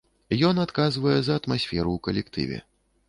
Ён адказвае за атмасферу ў калектыве.